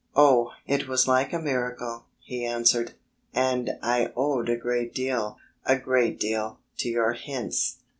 "Oh, it was like a miracle," he answered, "and I owed a great deal a great deal to your hints...."